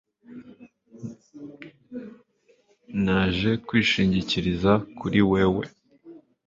Naje kwishingikiriza kuri wewe